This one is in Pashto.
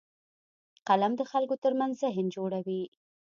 قلم د خلکو ترمنځ ذهن جوړوي